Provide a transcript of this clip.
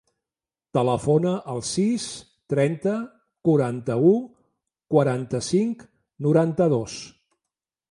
Telefona al sis, trenta, quaranta-u, quaranta-cinc, noranta-dos.